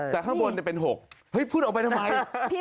แต่ข้างบนเนี่ยเป็น๖พูดออกไปทำไม